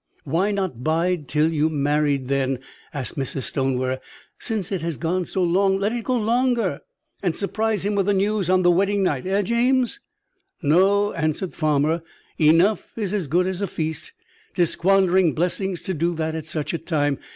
"Why not bide till you'm married, then?" asked Mrs. Stonewer. "Since it have gone so long, let it go longer, and surprise him with the news on the wedding night eh, James?" "No," answered Farmer. "'Enough is as good as a feast.' 'Tis squandering blessings to do that at such a time.